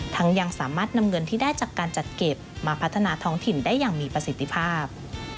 ยังสามารถนำเงินที่ได้จากการจัดเก็บมาพัฒนาท้องถิ่นได้อย่างมีประสิทธิภาพ